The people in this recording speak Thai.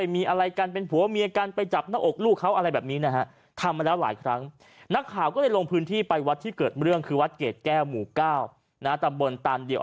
มันลวนลามคลิปอย่างเดียวเนี่ย